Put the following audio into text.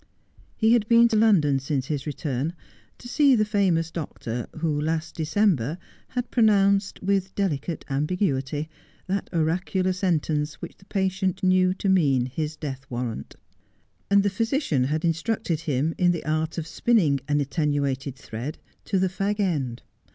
He had been to London since his return, to see the famous doctor who, last December, had pronounced, with delicate ambiguity, that oracular sentence which the patient knew to mean his death warrant ; and the physician had instructed him in the art of spinning an attenuated thread to the fag end.